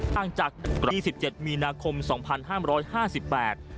ตั้งจากกฎี๑๗มีนาคมสองพันห้ามร้อยห้าสิบแปด